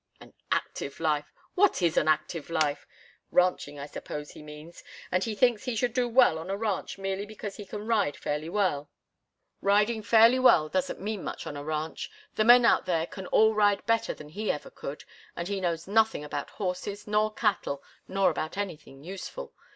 An active life! What is an active life? Ranching, I suppose he means, and he thinks he should do well on a ranch merely because he can ride fairly well. Riding fairly well doesn't mean much on a ranch. The men out there can all ride better than he ever could, and he knows nothing about horses, nor cattle, nor about anything useful.